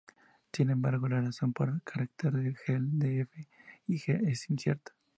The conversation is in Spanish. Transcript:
Sin embargo, la razón para carecer de "Hell D", "F", y "G" es incierta.